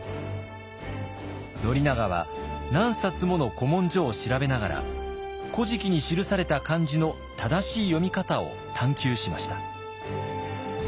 宣長は何冊もの古文書を調べながら「古事記」に記された漢字の正しい読み方を探究しました。